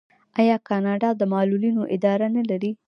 آیا کاناډا د معلولینو اداره نلري؟